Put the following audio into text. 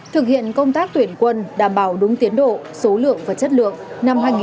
thực hiện công tác tuyển quân đảm bảo đúng tiến độ số lượng và chất lượng